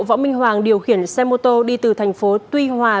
võ minh hoàng điều khiển xe mô tô đi từ thành phố tuy hòa